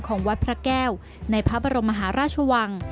ของวัดพระแก้วในพระบรมมหาราชวัง